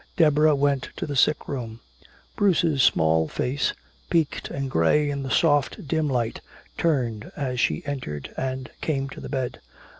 Deborah went to the sick room. Bruce's small face, peaked and gray in the soft dim light, turned as she entered and came to the bed.